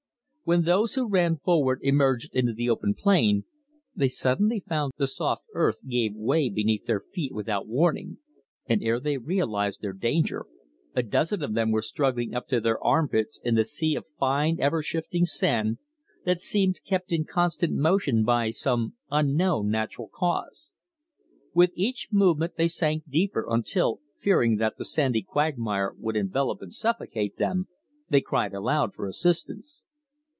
When those who ran forward emerged into the open plain, they suddenly found the soft earth give way beneath their feet without warning, and ere they realized their danger a dozen of them were struggling up to their arm pits in the sea of fine ever shifting sand that seemed kept in constant motion by some unknown natural cause. With each movement they sank deeper, until, fearing that the sandy quagmire would envelop and suffocate them, they cried aloud for assistance.